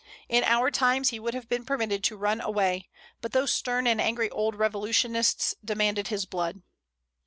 In our times he would have been permitted to run away; but those stern and angry old revolutionists demanded his blood.